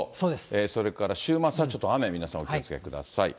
それから週末はちょっと雨、皆さんお気をつけください。